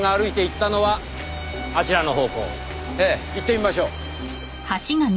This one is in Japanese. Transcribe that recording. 行ってみましょう。